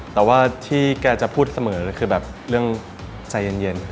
แต่ว่าที่แกจะพูดเสมอคือแบบเรื่องใจเย็น